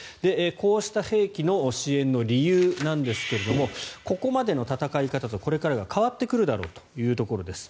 こうした兵器の支援の理由なんですがここまでの戦い方とこれからが変わっていくだろうというところです。